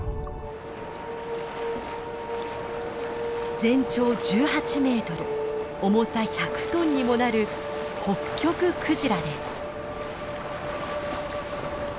全長１８メートル重さ１００トンにもなるホッキョククジラです。